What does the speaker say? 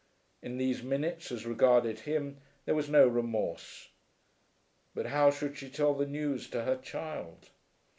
In these minutes, as regarded him, there was no remorse. But how should she tell the news to her child?